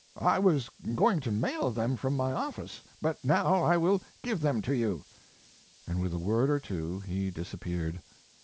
I was going to mail them from my office, but now I will give them to you," and with a word or two he disappeared.